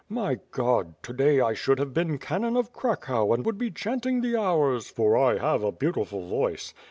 My God! To day I should have been canon of Cracow and would be chanting the hours, for I have a beautiful voice.